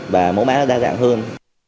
và mẫu máy nó đa dạng hơn